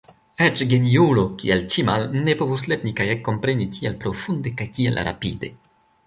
Eĉ geniulo, kiel Ĉimal, ne povus lerni kaj ekkompreni tiel profunde kaj tiel rapide.